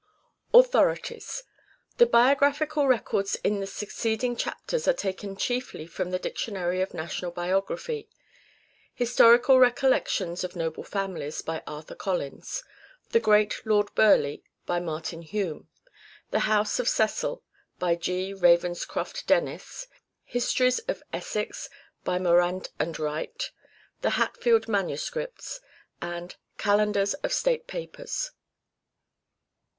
Authorities. The biographical records in the suc ceeding chapters are taken chiefly from the " Dictionary of National Biography ";" Historical Recollections of Noble Families," by Arthur Collins ;" The Great Lord Burleigh," by Martin Hume ;" The House of Cecil," by G. Ravenscroft Dennis ;" Histories of Essex," by Morant and Wright ;" The Hatfield Manuscripts "; and " Calendars of State Papers."